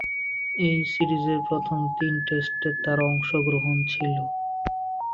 এ সিরিজের প্রথম তিন টেস্টে তার অংশগ্রহণ ছিল।